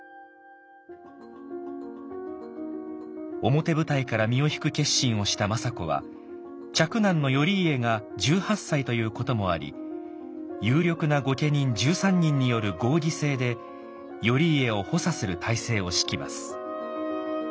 表舞台から身を引く決心をした政子は嫡男の頼家が１８歳ということもあり有力な御家人１３人による合議制で頼家を補佐する体制を敷きます。